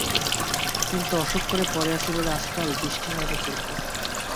কিন্তু, অসুখ করে পড়ে আছি বলে আজকাল দৃষ্টি হয়েছে প্রখর।